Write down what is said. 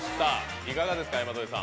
いかがですか、山添さん。